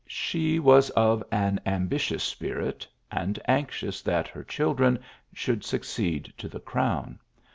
She was of an ambitious spirit, and anxious that her children should succeed to the crown.